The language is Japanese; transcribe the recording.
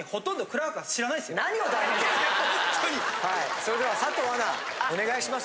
それでは佐藤アナお願いします。